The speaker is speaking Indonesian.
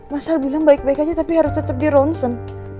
masa bilang baik baik aja tapi harus tetap di ronsen